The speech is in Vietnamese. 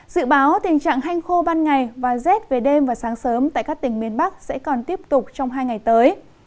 dự báo tình trạng hanh khô ban ngày và rét về đêm và sáng sớm tại các tỉnh miền bắc sẽ còn tiếp tục trong hai ngày tới